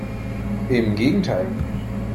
Im Gegenteil!